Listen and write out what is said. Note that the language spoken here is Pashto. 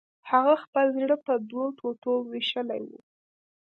هغه خپل زړه په دوو ټوټو ویشلی و